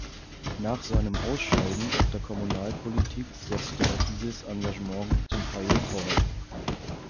Nach seinem Ausscheiden aus der Kommunalpolitik setzte er dieses Engagement zum Teil fort.